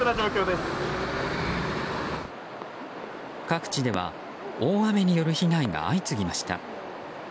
各地では大雨による被害が相次ぎました。